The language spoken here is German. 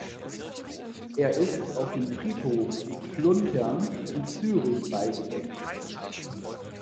Er ist auf dem Friedhof Fluntern in Zürich beigesetzt.